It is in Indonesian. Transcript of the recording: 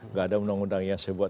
enggak ada undang undang yang saya buat